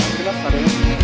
terima kasih mas karin